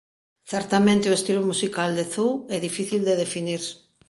Certamente o estilo musical de Zu é difícil de definir.